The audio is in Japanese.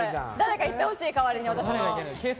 誰か言ってほしい代わりに私の。